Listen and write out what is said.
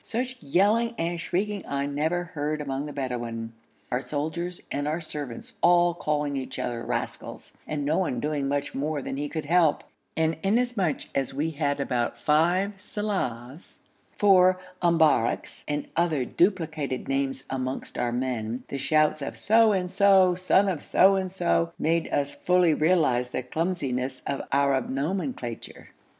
Such yelling and shrieking I never heard among the Bedouin, our soldiers and our servants all calling each other rascals, and no one doing more than he could help; and inasmuch as we had about five Salehs, four Umbarreks, and other duplicated names amongst our men, the shouts of 'So and so, son of so and so,' made us fully realise the clumsiness of Arab nomenclature.